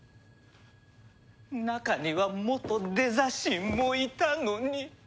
中には元デザ神もいたのに！？